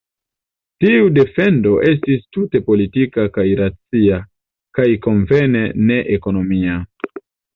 Tiu defendo estis tute politika kaj racia, kaj konvene ne-ekonomia.